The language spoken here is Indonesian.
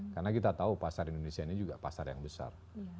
karena kita tahu pasar indonesia ini juga pasar yang besar